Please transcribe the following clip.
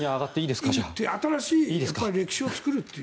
新しい歴史を作るって。